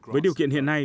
với điều kiện hiện nay